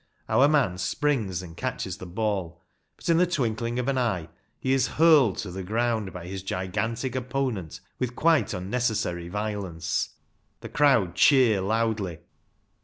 Our man springs and catches the ball, but, in the twinkling of an eye, he is hurled to the ground by his gigantic 214 RUGBY FOOTBALL. opponent with quite unnecessary violence. The crowd cheer loudly.